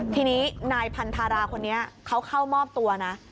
ทีนี้นายพันธาราคนนี้เขาเข้ามอบตัวนะ